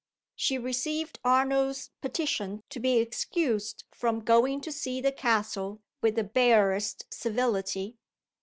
She received Arnold's petition to be excused from going to see the castle with the barest civility.